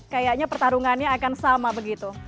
kayaknya pertarungannya akan sama begitu